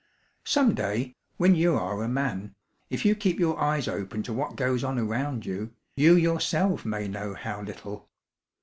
Some day, when you are a man, if you keep your eyes open to what goes on around you, you yourself may know how little.